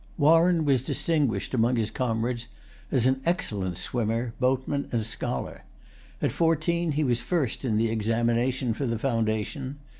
Warren was distinguished among his comrades as an excellent swimmer, boatman, and scholar. At fourteen he was first in the examination for the foundation.